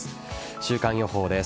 週間予報です。